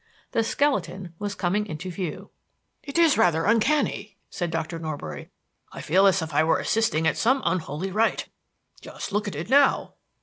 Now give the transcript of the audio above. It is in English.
The skeleton was coming into view. "It is rather uncanny," said Dr. Norbury. "I feel as if I were assisting at some unholy rite. Just look at it now!"